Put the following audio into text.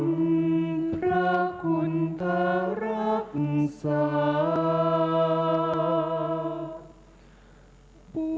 ทุกคนทุกครั้งอภูมินะภาวรำโนกราชกาเชียวพิธร